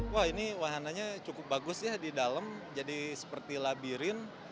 wah ini wahananya cukup bagus ya di dalam jadi seperti labirin